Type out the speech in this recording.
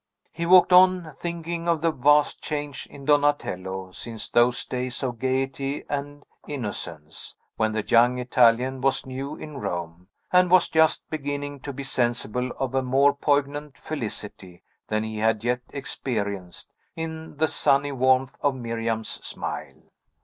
He walked on, thinking of the vast change in Donatello, since those days of gayety and innocence, when the young Italian was new in Rome, and was just beginning to be sensible of a more poignant felicity than he had yet experienced, in the sunny warmth of Miriam's smile.